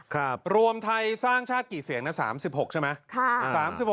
รวมไทยสร้างชาติกี่เสียงนะ๓๖ใช่ไหม